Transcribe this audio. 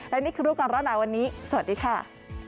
และนี่คือรูปการณ์หนาวันนี้สวัสดีค่ะ